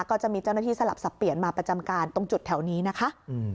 ก็จะมีเจ้าหน้าที่สลับสับเปลี่ยนมาประจำการตรงจุดแถวนี้นะคะ